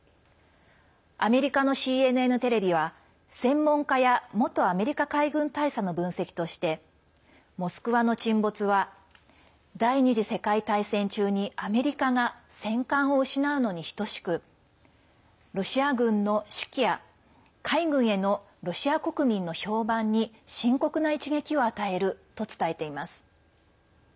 アメリカのＣＮＮテレビは専門家や元アメリカ海軍大佐の分析として「モスクワ」の沈没は第２次世界大戦中にアメリカが戦艦を失うのに等しくロシア軍の士気や海軍へのロシア国民の評判に深刻な一撃を与えると伝えています。